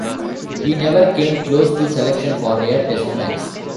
He never came close to selection for a Test match.